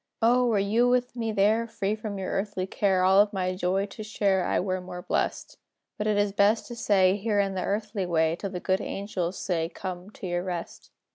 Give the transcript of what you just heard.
O! were you with me there, Free from your earthly care, All of my joy to share, I were more blest. But it is best to stay Here in the earthly way, Till the good angels say, "Come to your rest!"